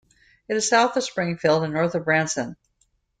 It is south of Springfield and north of Branson.